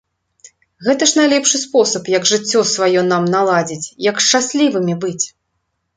Гэта ж найлепшы спосаб, як жыццё сваё нам наладзіць, як шчаслівымі быць.